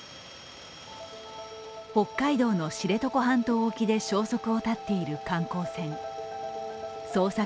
北海道の知床半島沖で消息を絶っている観光船捜索